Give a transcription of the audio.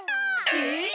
えっ？